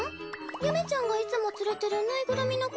ゆめちゃんがいつも連れてるぬいぐるみの子？